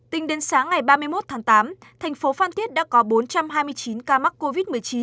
tính đến sáng ngày ba mươi một tháng tám thành phố phan thiết đã có bốn trăm hai mươi chín ca mắc covid một mươi chín